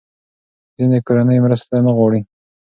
ځینې کورنۍ مرسته نه غواړي.